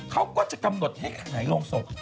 เขาก็จะกำหนดให้ขายโรงศพ